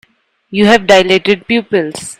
You have dilated pupils.